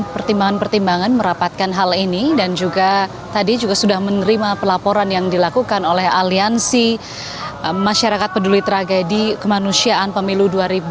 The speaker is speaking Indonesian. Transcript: pertimbangan pertimbangan merapatkan hal ini dan juga tadi juga sudah menerima pelaporan yang dilakukan oleh aliansi masyarakat peduli tragedi kemanusiaan pemilu dua ribu dua puluh